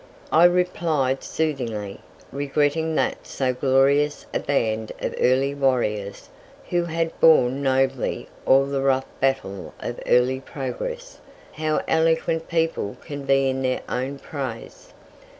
I replied soothingly, regretting that so glorious a band of early warriors, who had borne nobly all the rough battle of early progress (how eloquent people can be in their own praise!)